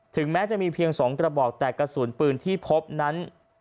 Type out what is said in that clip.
แม้จะมีเพียง๒กระบอกแต่กระสุนปืนที่พบนั้น